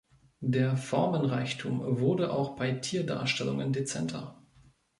Der Formenreichtum wurde auch bei Tierdarstellungen dezenter.